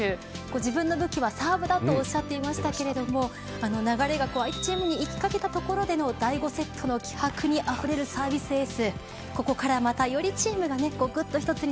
自分の武器はサーブだとおっしゃっていましたけれど流れが相手チームにいきかけたところでの第５セットの気迫にあふれるサービスエース。